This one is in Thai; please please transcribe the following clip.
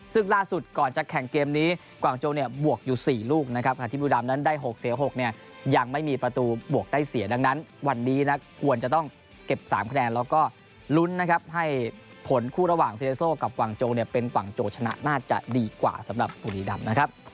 ซึ่งล่าสุดก่อนจะแข่งเกมนี้กวางโจเนี่ยบวกอยู่๔ลูกนะครับขณะที่บุรีรำนั้นได้๖เสีย๖เนี่ยยังไม่มีประตูบวกได้เสียดังนั้นวันนี้นะควรจะต้องเก็บ๓คะแนนแล้วก็ลุ้นนะครับให้ผลคู่ระหว่างเซเลโซ่กับกวางโจเนี่ยเป็นกวางโจชนะน่าจะดีกว่าสำหรับบุรีดำนะครับ